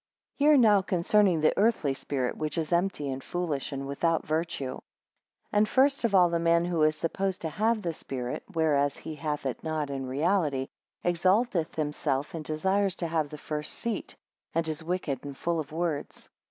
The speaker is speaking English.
9 Hear now concerning the earthly spirit, which is empty and foolish, and without virtue. And first of all the man who is supposed to have the Spirit, (whereas he hath it not in reality), exalteth himself, and desires to have the first seat, and is wicked, and full of words.